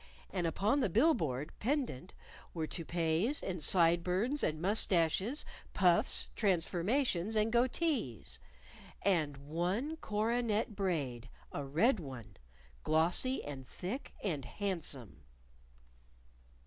And upon the bill board, pendant, were toupees and side burns and mustaches, puffs, transformations and goatees and one coronet braid (a red one) glossy and thick and handsome!